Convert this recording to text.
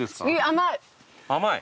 甘い？